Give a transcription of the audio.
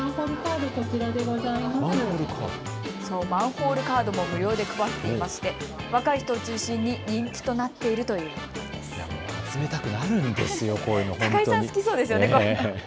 マンホールカードも無料で配っていまして若い人を中心に人気となっているということです。